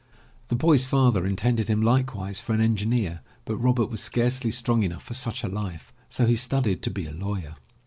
The boy*s father in tended him likewise for an engineer, but Robert was scarcely strong enough for such a life, so he studied to be a lawyer.